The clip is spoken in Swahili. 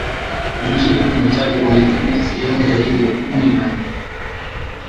M ishirini na tatu wamedhibithi sehemu zaidi ya kumi na nne